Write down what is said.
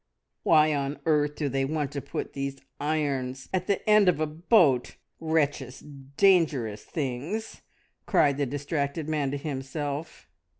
"Why on earth do they want to put these irons at the end of a boat? Wretched, dangerous things!" cried the distracted man to himself.